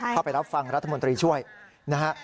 ไปรับฟังรัฐมนตรีช่วยนะฮะ